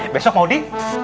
besok mau di